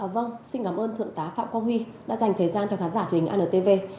vâng xin cảm ơn thượng tá phạm quang huy đã dành thời gian cho khán giả thuyền antv